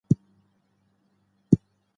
د افغانستان عنعنوي خواړه تاریخي ريښه لري.